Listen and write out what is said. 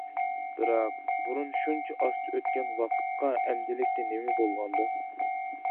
بىراق، بۇرۇن شۇنچە ئاستا ئۆتكەن ۋاقىتقا ئەمدىلىكتە نېمە بولغاندۇ.